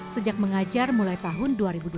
sejak mengajar mulai tahun dua ribu dua belas